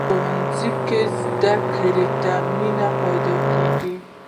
ښوونځی کې زده کړې ته مینه پیدا کېږي